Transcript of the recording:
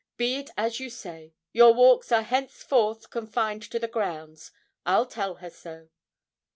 Be it as you say; your walks are henceforward confined to the grounds; I'll tell her so.'